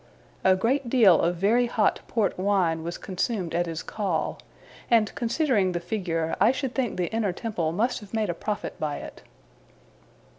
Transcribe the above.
A great deal of very hot port wine was consumed at his call; and, considering the figure, I should think the Inner Temple must have made a profit by it.